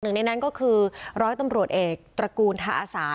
หนึ่งในนั้นก็คือร้อยตำรวจเอกตระกูลทาอาสา